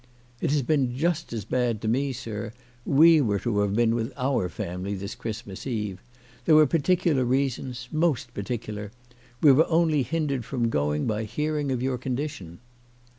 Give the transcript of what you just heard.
" It has been just as bad to me, sir. We were to have been with our family this Christmas Eve. There were particular reasons, most particular. We were only hindered from going by hearing of your condition."